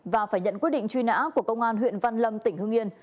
và phải nhận quyết định truy nã của công an huyện văn lâm tỉnh hưng yên